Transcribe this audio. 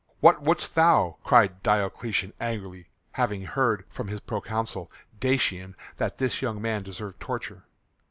"What wouldst thou?" cried Diocletian angrily, having heard from his proconsul Dacian that this young man deserved torture.